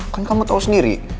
kan kamu tau sendiri